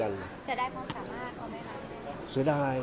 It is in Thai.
แหละ